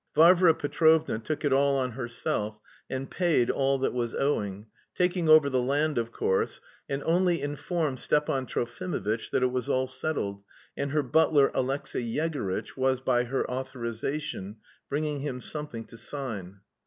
Varvara Petrovna took it all on herself, and paid all that was owing, taking over the land, of course, and only informed Stepan Trofimovitch that it was all settled and her butler, Alexey Yegorytch, was, by her authorisation, bringing him something to sign.